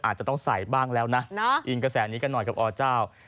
อาจจะต้องใส่บ้างแล้วนะอิงกระแสนี้กันหน่อยกับอเจ้า